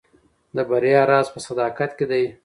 د بریا راز په صداقت کې دی.